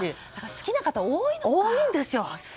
好きな方、多いんですよ。